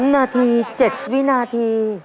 ๓นาที๗วินาที